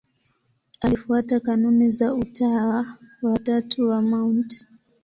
Alifuata kanuni za Utawa wa Tatu wa Mt.